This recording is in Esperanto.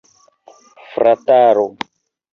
Frataro!